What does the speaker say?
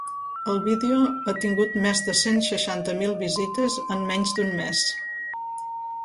El vídeo ha tingut més de cent seixanta mil visites en menys d’un mes.